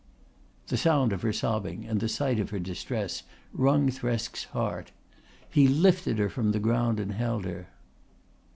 The sound of her sobbing and the sight of her distress wrung Thresk's heart. He lifted her from the ground and held her.